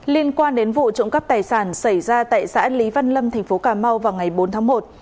liên quan đến vụ trụng cấp tài sản xảy ra tại xã lý văn lâm tp cm vào ngày bốn tháng một